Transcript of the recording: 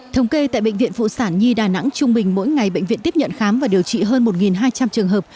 thống kê tại bệnh viện phụ sản nhi đà nẵng trung bình mỗi ngày bệnh viện tiếp nhận khám và điều trị hơn một hai trăm linh trường hợp